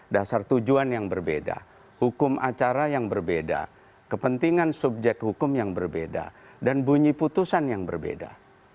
dasar tujuan yang berbeda hukum acara yang berbeda kepentingan subjek hukum yang berbeda dan bunyi putusan yang berbeda